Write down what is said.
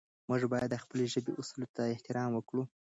موږ باید د خپلې ژبې اصولو ته احترام وکړو.